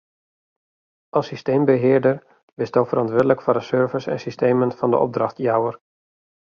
As systeembehearder bisto ferantwurdlik foar de servers en systemen fan de opdrachtjouwer.